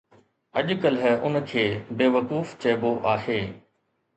اڄڪلهه ان کي ”بيوقوف“ چئبو آهي.